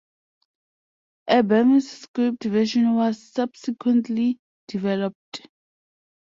A Burmese script version was subsequently developed.